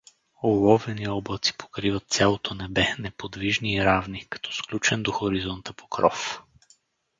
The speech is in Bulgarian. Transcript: Оловени облаци покриват цялото небе, неподвижни и равни, като сключен до хоризонта покров.